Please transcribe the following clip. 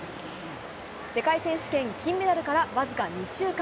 世界選手権、金メダルからわずか２週間。